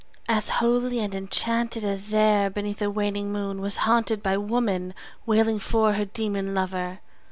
as holy and enchanted As e'er beneath a waning moon was haunted 15 By woman wailing for her demon lover!